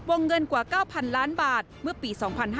วงเงินกว่า๙๐๐ล้านบาทเมื่อปี๒๕๕๙